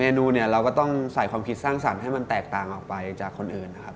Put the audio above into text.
นูเนี่ยเราก็ต้องใส่ความคิดสร้างสรรค์ให้มันแตกต่างออกไปจากคนอื่นนะครับ